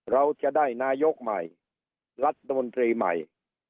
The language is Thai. เราจะได้นายกใหม่รัฐมนตรีใหม่